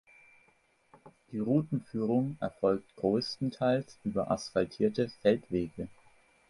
Die Routenführung erfolgt größtenteils über asphaltierte Feldwege.